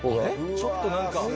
ちょっとなんか。